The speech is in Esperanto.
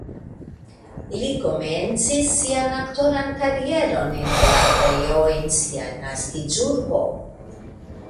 Li komencis sian aktoran karieron en teatrejo en sia naskiĝurbo.